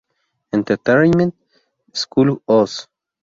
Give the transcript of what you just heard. Entertainment, "School Oz".